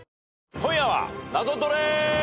『今夜はナゾトレ』